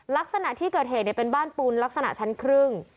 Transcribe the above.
ลักษณะที่เกิดเหตุเป็นบ้านปูนลักษณะชั้นครึ่ง